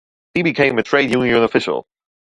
He became a trade union official.